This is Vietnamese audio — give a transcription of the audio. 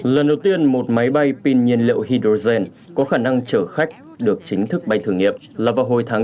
lần đầu tiên một máy bay pin nhiên liệu hydrogen có khả năng chở khách được chính thức bay thử nghiệp là vào hồi tháng chín năm hai nghìn hai mươi